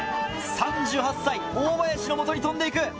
３８歳大林の元に飛んでいく。